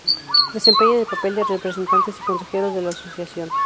Desempeñan el papel de representantes y consejeros de la asociación.